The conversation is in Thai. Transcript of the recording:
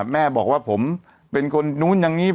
แม่บอกว่าผมเป็นคนนู้นอย่างนี้